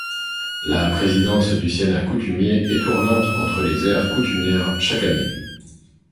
La présidence du Sénat coutumier est tournante entre les aires coutumières chaque année.